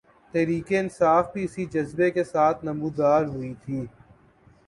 تحریک انصاف بھی اسی جذبے کے ساتھ نمودار ہوئی تھی۔